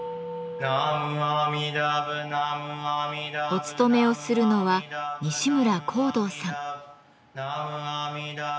お勤めをするのは西村宏堂さん。